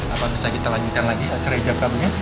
apa bisa kita lanjutkan lagi acara hijab kamu ya